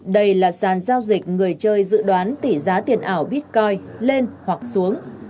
đây là sàn giao dịch người chơi dự đoán tỷ giá tiền ảo bitcoin lên hoặc xuống